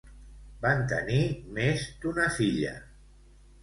Van tenir més d'una filla.